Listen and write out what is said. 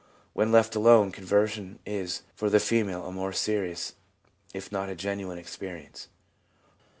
When left alone, conversion is for the female a more serious, if not a more genuine experience.